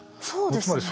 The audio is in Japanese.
そうですね。